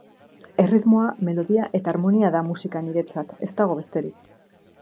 Erritmoa, melodia eta harmonia da musika niretzat, ez dago besterik.